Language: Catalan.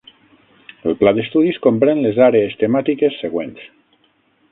El pla d'estudis comprèn les àrees temàtiques següents.